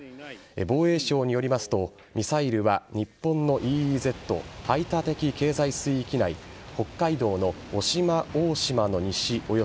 防衛省によりますとミサイルは日本のＥＥＺ＝排他的経済水域内北海道の渡島大島の西